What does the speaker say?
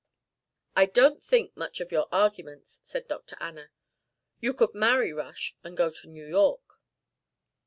"I don't think much of your arguments," said Dr. Anna. "You could marry Rush and go to New York."